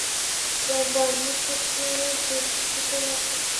په باییزو کې یې ډېر نفوذ ترلاسه کړ.